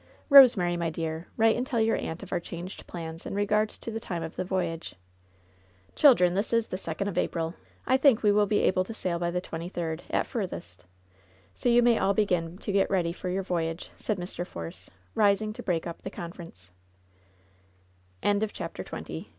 Eosemary, my dear, write and tell your aunt of our changed plans in regard to the time of the voyage. Children, this is the second of April. I think we will be able to sail by the twenty third, at furthest So you may all begin to get ready for your voyage," said Mr. For